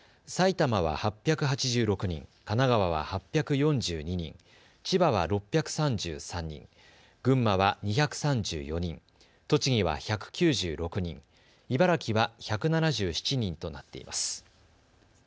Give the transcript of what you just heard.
埼玉は８８６人、神奈川は８４２人、千葉は６３３人、群馬は２３４人、栃木は１９６人、茨城は１７７人となっています。